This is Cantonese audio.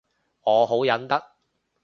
我好忍得